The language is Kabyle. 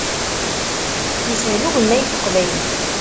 Ishel ugemmay n teqbaylit.